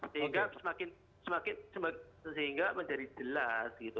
sehingga semakin sehingga menjadi jelas gitu